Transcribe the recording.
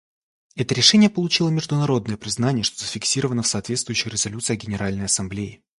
Это решение получило международное признание, что зафиксировано в соответствующих резолюциях Генеральной Ассамблеи.